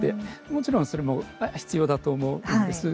もちろん、それも必要だと思うんです。